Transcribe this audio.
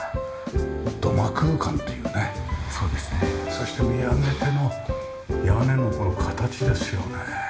そして見上げても屋根のこの形ですよね。